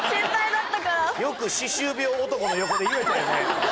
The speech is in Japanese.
よく歯周病男の横で言えたよね。